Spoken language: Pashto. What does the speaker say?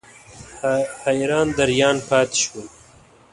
حیران دریان پاتې شوم.